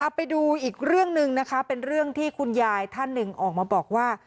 ไปดูอีกเรื่องหนึ่งนะคะเป็นเรื่องที่คุณยายท่านหนึ่งออกมาบอกว่า